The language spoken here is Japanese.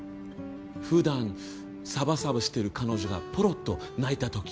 普段サバサバしてる彼女がポロっと泣いた時。